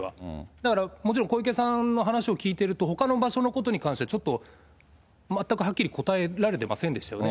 だからもちろん小池さんの話を聞いてると、ほかの場所のことについては、ちょっと、全くはっきり答えられてませんでしたよね。